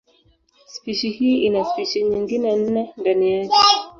Spishi hii ina spishi nyingine nne ndani yake.